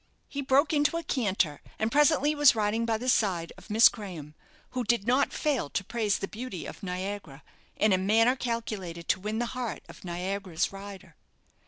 He broke into a canter, and presently was riding by the side of Miss Graham, who did not fail to praise the beauty of "Niagara" in a manner calculated to win the heart of Niagara's rider.